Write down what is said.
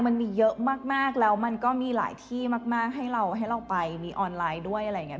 มันมีเยอะมากแล้วมันก็มีหลายที่มากให้เราให้เราไปมีออนไลน์ด้วยอะไรอย่างนี้